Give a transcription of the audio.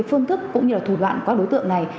phương thức cũng như thủ đoạn của đối tượng này